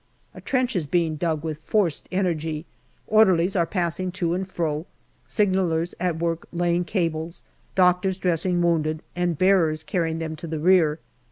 A trench is being dug with forced energy, orderlies are passing to and fro, signallers at work laying cables, doctors dressing wounded, and bearers carrying them to the rear.